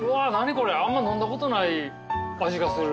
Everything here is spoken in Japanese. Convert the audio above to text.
これあんま飲んだことない味がする。